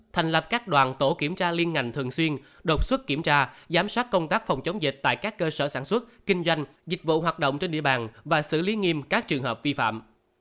thành lập các đoàn tổ kiểm tra liên ngành thường xuyên đột xuất kiểm tra giám sát công tác phòng chống dịch tại các cơ sở sản xuất kinh doanh dịch vụ hoạt động trên địa bàn và xử lý nghiêm các trường hợp vi phạm